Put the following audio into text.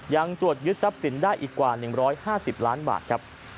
ยังตรวจยึดทรัพย์สินได้อีกกว่า๑๕๐ล้านบาทครับ